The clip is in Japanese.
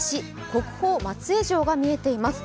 国宝・松江城が見えています。